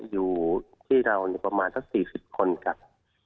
อยู่ที่เราประมาณสัก๔๐คนครับ